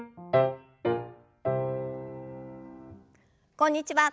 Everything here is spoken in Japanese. こんにちは。